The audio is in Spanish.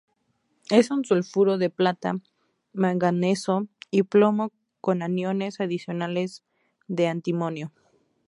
Es un sulfuro de plata, manganeso y plomo con aniones adicionales de antimonio.